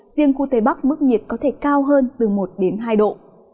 riêng khu tây bắc mức nhiệt có thể cao hơn từ một đến hai độ